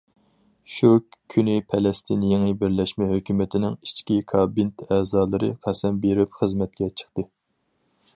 شۇ كۈنى پەلەستىن يېڭى بىرلەشمە ھۆكۈمىتىنىڭ ئىچكى كابېنت ئەزالىرى قەسەم بېرىپ خىزمەتكە چىقتى.